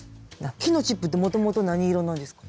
木のチップってもともと何色なんですか？